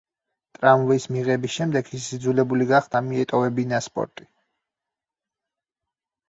ტრამვის მიღების შემდეგ ის იძულებული გახდა მიეტოვებინა სპორტი.